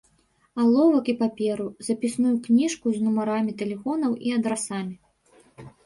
Аловак і паперу, запісную кніжку з нумарамі тэлефонаў і адрасамі.